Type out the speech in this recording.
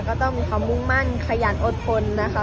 ก็ต้องมีความมุ่งมั่นขยันอดทนนะคะ